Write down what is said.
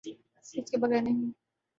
اس کے بغیر نہیں۔